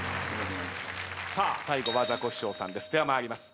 さあ最後はザコシショウさんです。